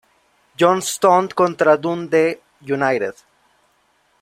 Johnstone contra Dundee United.